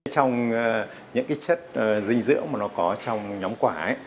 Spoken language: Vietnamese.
trong những chất dinh dưỡng mà nó có trong nhóm quả